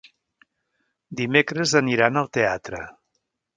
Dimecres aniran al teatre.